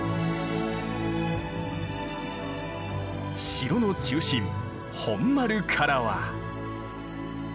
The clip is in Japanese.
城の中心本丸からは。